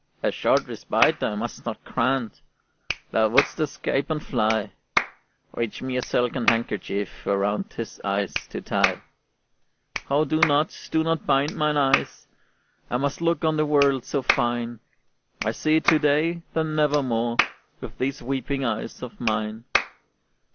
"A short respite I must not grant; Thou wouldst escape and fly: Reach me a silken handkerchief Around his eyes to tie." "Oh, do not, do not bind mine eyes! I must look on the world so fine; I see it to day, then never more, With these weeping eyes of mine."